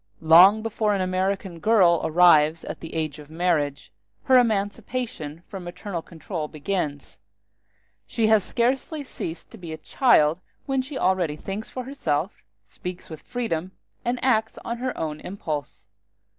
Long before an American girl arrives at the age of marriage, her emancipation from maternal control begins; she has scarcely ceased to be a child when she already thinks for herself, speaks with freedom, and acts on her own impulse.